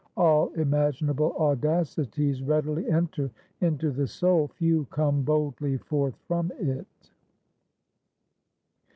All imaginable audacities readily enter into the soul; few come boldly forth from it.